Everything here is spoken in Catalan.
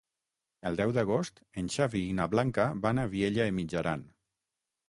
El deu d'agost en Xavi i na Blanca van a Vielha e Mijaran.